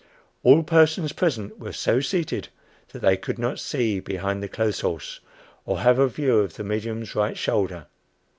All persons present were so seated that they could not see behind the clothes horse, or have a view of the medium's right shoulder.